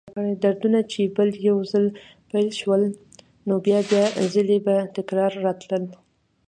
دردونه چې به یو ځل پیل شول، نو بیا بیا ځلې به تکراراً راتلل.